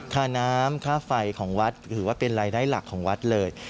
ค่าน้ำค่าไฟของวัดถือว่าเป็นรายได้หลักของวัดเลย